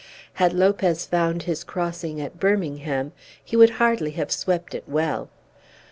Had Lopez found his crossing at Birmingham he would hardly have swept it well.